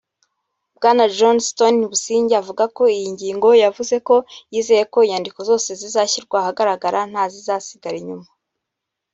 Bwana Johnston Busingye avuga kuri iyi ngingo yavuze ko yizere ko inyandiko zose zizashyirwa ahagaragara ntazizasigara inyuma